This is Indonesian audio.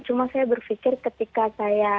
cuma saya berpikir ketika saya